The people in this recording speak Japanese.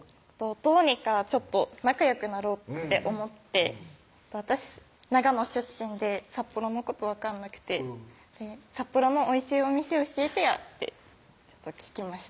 どうにか仲よくなろうって思って私長野出身で札幌のこと分かんなくて「札幌のおいしいお店教えてよ」って聞きました